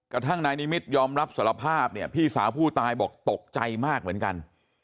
กระทั่งนายนิมิตรยอมรับสารภาพเนี่ยพี่สาวผู้ตายบอกตกใจมากเหมือนกัน